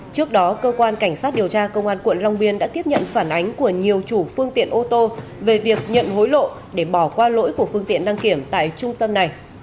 trước đó cơ quan cảnh sát điều tra công an quận long biên đã tiếp nhận phản ánh của nhiều chủ phương tiện ô tô về việc nhận hối lộ để bỏ qua lỗi của phương tiện đăng kiểm tại trung tâm này